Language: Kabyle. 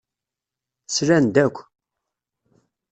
Slan-d akk.